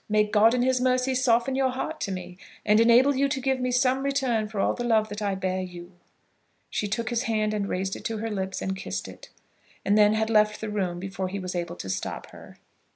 May God in his mercy soften your heart to me, and enable you to give me some return for all the love that I bear you." She took his hand and raised it to her lips and kissed it, and then had left the room before he was able to stop her.